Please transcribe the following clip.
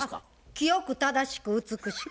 清く正しく美しく。